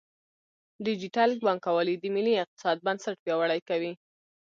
ډیجیټل بانکوالي د ملي اقتصاد بنسټ پیاوړی کوي.